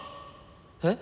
えっ？